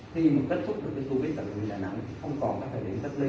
khi kết thúc covid tại bệnh viện đà nẵng không còn các thời điểm tích ly